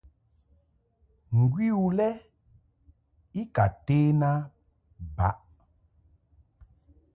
Ngwi u lɛ i ka ten a baʼ.